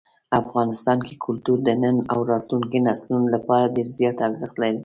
افغانستان کې کلتور د نن او راتلونکي نسلونو لپاره ډېر زیات ارزښت لري.